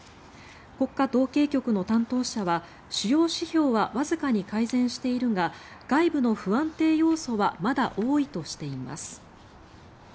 国家統計局の担当者は主要指標はわずかに改善しているが外部の不安定要素はまだ多いとしています。